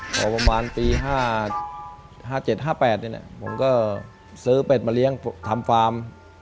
พอประมาณปี๕๗๕๘ผมก็ซื้อเป็ดมาเลี้ยงทำฟาร์ม